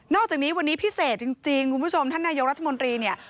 อกจากนี้วันนี้พิเศษจริงคุณผู้ชมท่านนายกรัฐมนตรีเนี่ย